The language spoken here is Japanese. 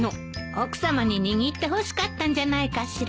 奥さまに握ってほしかったんじゃないかしら？